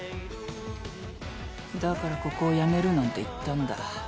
だからここを辞めるなんて言ったんだ。